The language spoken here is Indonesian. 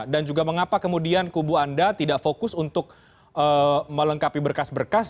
dan juga mengapa kemudian kubu anda tidak fokus untuk melengkapi berkas berkas